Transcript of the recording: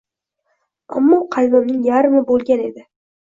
Ammo qalbimning yarmi boʻlgan edi.